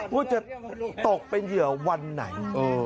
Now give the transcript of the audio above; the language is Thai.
ว่าจะตกเป็นเหยื่อวันไหน